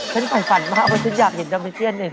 ฉันปล่อยฝันมากว่าฉันอยากเห็นดัมพิเศษหนึ่ง